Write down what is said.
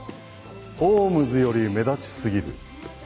ホームズより目立ち過ぎる。